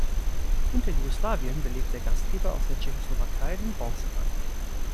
Hinter Jugoslawien belegte der Gastgeber aus der Tschechoslowakei den Bronze-Rang.